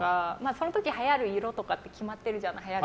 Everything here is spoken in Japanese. その時、はやる色とかって決まってるじゃない。